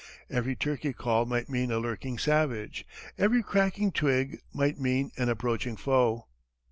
Every turkey call might mean a lurking savage, every cracking twig might mean an approaching foe.